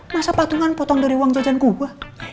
masa patungan potong dari uang jajan kubah